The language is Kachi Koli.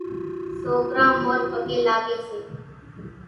سوڪران مورِ پڳين لاڳي سي،